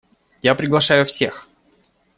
Я приглашаю всех.